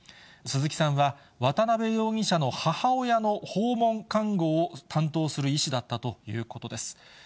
鈴木さんは、渡辺容疑者の母親の訪問看護を担当する医師だったということです。